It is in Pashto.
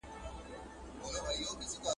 زه الکريم قرآن لولم.